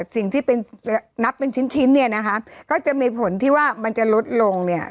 สิ่งที่เป็นนับเป็นชิ้นชิ้นเนี่ยนะคะก็จะมีผลที่ว่ามันจะลดลงเนี่ย